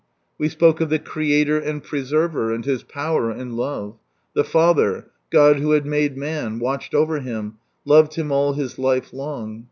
We spoke of the Creator and Preserver, and His power and love ; the rather— God, who had made man, watched over him, loved him all his life long.